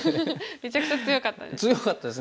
めちゃくちゃ強かったです。